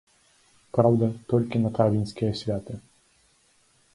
Праўда, толькі на травеньскія святы.